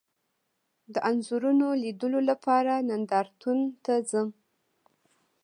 د انځورونو لیدلو لپاره نندارتون ته ځم